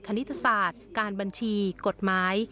ณิตศาสตร์การบัญชีกฎหมาย